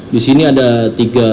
di sini ada tiga